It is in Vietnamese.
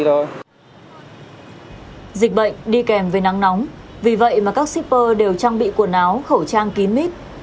dịch bệnh đi kèm với nắng nóng vì vậy mà các shipper đều trang bị quần áo khẩu trang kín mít